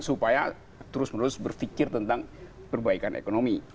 supaya terus menerus berpikir tentang perbaikan ekonomi